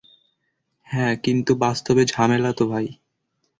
হা কিন্তু বাস্তবে ঝামেলা তো ভাই।